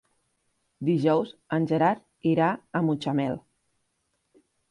Dijous en Gerard irà a Mutxamel.